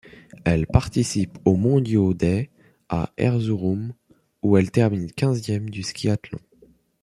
Elle participe aux mondiaux des à Erzurum où elle termine quinzième du skiathlon.